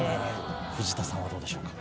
藤田さんはどうでしょうか？